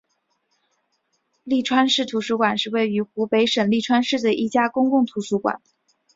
利川市图书馆是位于湖北省利川市的一家公共图书馆。